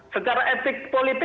secara etik politik